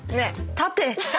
縦！